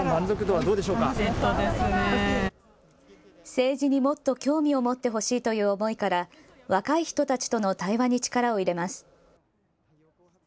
政治にもっと興味を持ってほしいという思いから若い人たちとの対話に力を入れます。